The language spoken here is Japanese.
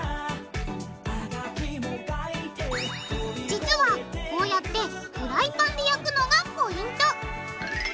実はこうやってフライパンで焼くのがポイント！